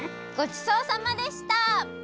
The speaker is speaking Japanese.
ごちそうさまでした！